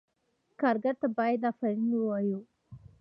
کارګر ته باید آفرین ووایو.